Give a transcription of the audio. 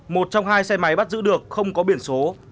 một trong hai xe máy bắt giữ được không có biển số